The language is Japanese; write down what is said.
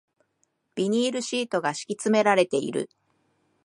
ビニールシートが敷き詰められている